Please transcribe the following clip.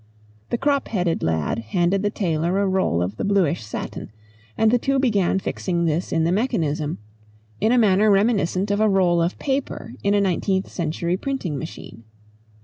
The crop headed lad handed the tailor a roll of the bluish satin and the two began fixing this in the mechanism in a manner reminiscent of a roll of paper in a nineteenth century printing machine.